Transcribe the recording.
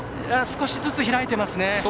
少しずつ開いてますね。